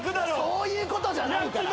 そういうことじゃないから。